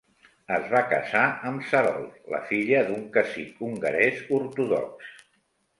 Es va casar amb Sarolt, la filla d'un cacic hongarès ortodox.